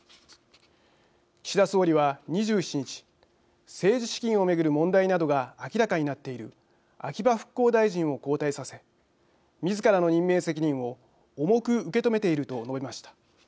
岸田総理は、２７日政治資金を巡る問題などが明らかになっている秋葉復興大臣を交代させみずからの任命責任を「重く受け止めている」と述べました。